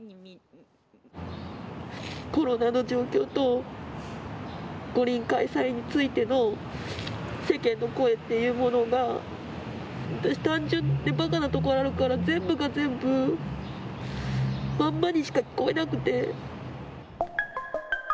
コロナの状況と五輪開催についての世間の声っていうものが私、単純でばかなところがあるから、全部が全部まんまにしか聞こえなくて。